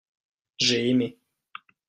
j'ai aimé.